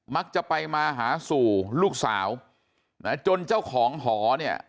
มักจะไปมาหาสู่ลูกสาวนะจนเจ้าของหอเนี่ย